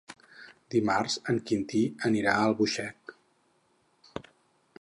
Dimarts en Quintí anirà a Albuixec.